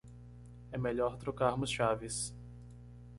É melhor trocarmos chaves.